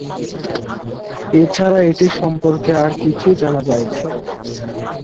এছাড়া এটির সম্পর্কে আর কিছুই জানা যায়নি।